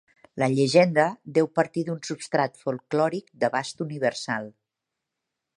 La llegenda deu partir d'un substrat folklòric d'abast universal.